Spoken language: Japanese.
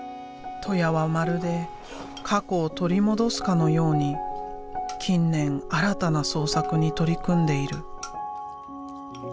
戸谷はまるで過去を取り戻すかのように近年新たな創作に取り組んでいる。